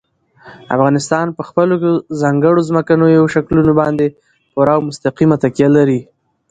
افغانستان په خپلو ځانګړو ځمکنیو شکلونو باندې پوره او مستقیمه تکیه لري.